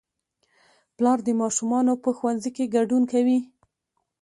پلار د ماشومانو په ښوونځي کې ګډون کوي